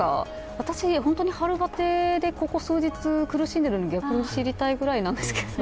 私、本当に春バテで、ここ数日苦しんでいるんで、逆に知りたいぐらいなんですけど。